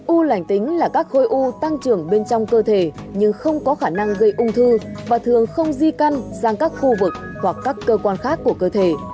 u lành tính là các khối u tăng trưởng bên trong cơ thể nhưng không có khả năng gây ung thư và thường không di căn sang các khu vực hoặc các cơ quan khác của cơ thể